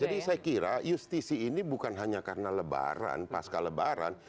jadi saya kira justisi ini bukan hanya karena lebaran pasca lebaran